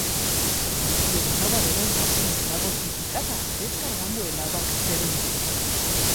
El río Desaguadero nace en el lago Titicaca, descargando el agua excedente.